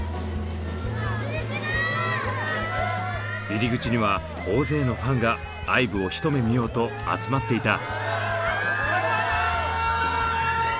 入り口には大勢のファンがＩＶＥをひと目見ようと集まっていた。